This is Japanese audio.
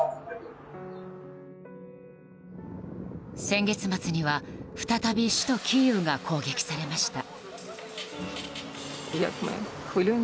先月末には、再び首都キーウが攻撃されました。